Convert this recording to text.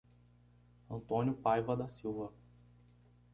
Antônio Paiva da Silva